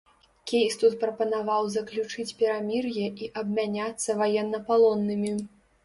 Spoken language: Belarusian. Кейстут прапанаваў заключыць перамір'е і абмяняцца ваеннапалоннымі.